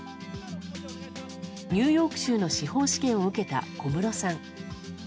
ニューヨーク州の司法試験を受けた小室さん。